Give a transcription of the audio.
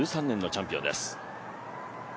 ２０１３年のチャンピオンです。